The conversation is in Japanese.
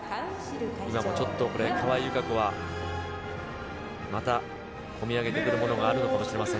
今もちょっとこれ、川井友香子は、また込み上げてくるものがあるのかもしれません。